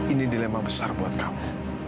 ini dilema besar buat kamu